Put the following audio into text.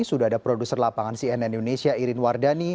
sudah ada produser lapangan cnn indonesia irin wardani